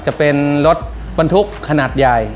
จะเป็นรถบรรทุกขนาดใหญ่